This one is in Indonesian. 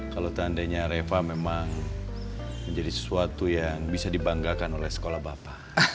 kalau seandainya reva memang menjadi sesuatu yang bisa dibanggakan oleh sekolah bapak